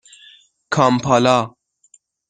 کامپالا